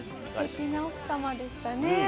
ステキな奥様でしたね。